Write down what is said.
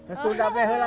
itu udah berapa lotek mak